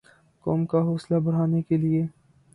قوم کا حوصلہ بڑھانے کیلئے